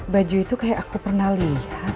baju itu kayak aku pernah lihat